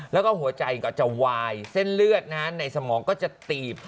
แล้วก็หัวใจก็จะวายเส้นเลือดในสมองก็จะตีบ